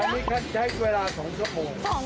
อันนี้ก็ใช้เวลา๒ชั่วโมง